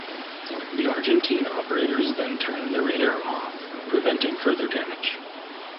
The Argentine operators then turned their radar off, preventing further damage.